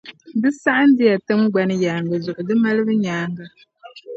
Di saɣindi ya tiŋgbani yaaŋa zuɣu di malibu nyaaŋa.